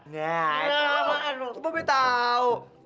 ya itu lo mah